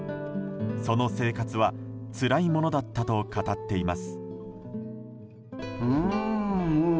その生活は、つらいものだったと語っています。